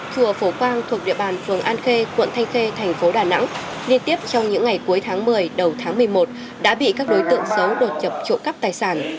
chùa phổ quang thuộc địa bàn phường an khê quận thanh khê thành phố đà nẵng liên tiếp trong những ngày cuối tháng một mươi đầu tháng một mươi một đã bị các đối tượng xấu đột nhập trộm cắp tài sản